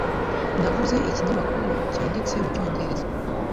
Naguze ikinyamakuru cyanditse mucyongereza.